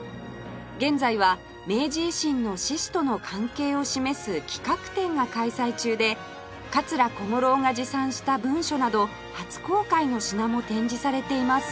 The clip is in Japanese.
現在は明治維新の志士との関係を示す企画展が開催中で桂小五郎が持参した文書など初公開の品も展示されています